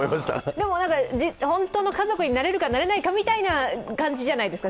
でも、本当の家族になれるかなれないかみたいな感じじゃないですか。